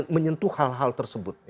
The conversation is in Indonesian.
menyentuh hal hal tersebut